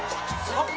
あっ！